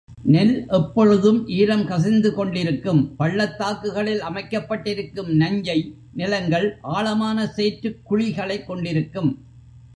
நெல் எப்பொழுதும் ஈரம் கசிந்து கொண்டிருக்கும் பள்ளத்தாக்குகளில் அமைக்கப்பட்டிருக்கும் நஞ்சை நிலங்கள் ஆழமான சேற்றுக் குழிகளைக் கொண்டிருக்கும்.